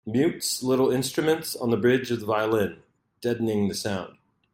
Mutes little instruments on the bridge of the violin, deadening the sound.